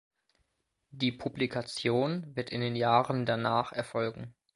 Die Publikation wird in den Jahren danach erfolgen.